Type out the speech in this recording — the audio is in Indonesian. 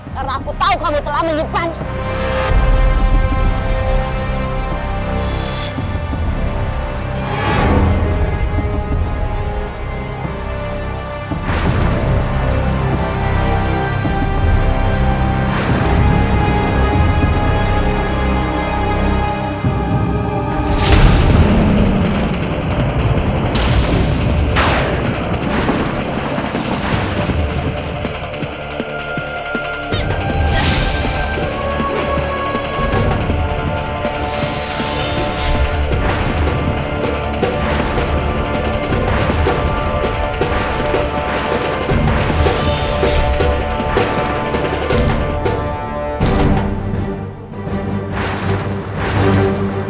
karena aku tahu kamu telah menyimpannya